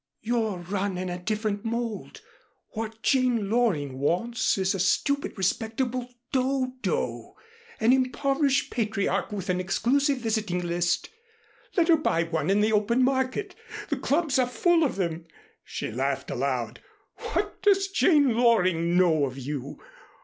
You're run in a different mold. What Jane Loring wants is a stupid respectable Dodo, an impoverished patriarch with an exclusive visiting list. Let her buy one in the open market. The clubs are full of them." She laughed aloud. "What does Jane Loring know of you?